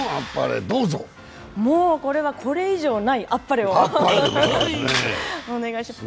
もう、これはこれ以上ない、あっぱれをお願いします。